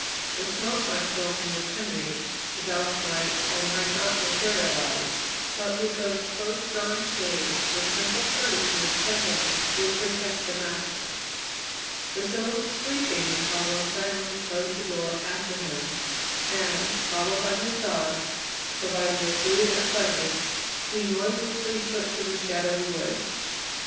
The smoke might curl from the chimney, the dogs might, or might not, materialize, but with those close drawn shades the simple courtesy of Kenmore would protect the master. Priscilla was sleeping when Farwell silently closed the door after him, and, followed by his dogs, provided with food and blankets, he noiselessly took to the shadowy woods.